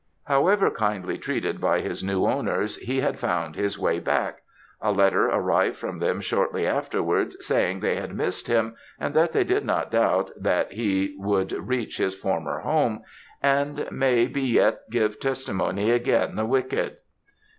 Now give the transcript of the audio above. However, kindly treated by his new owners, he had found his way back; a letter arrived from them shortly afterwards, saying, they had missed him, and that they did not doubt that he would reach his former home, "and, may, be yet give testimony agen the wicked."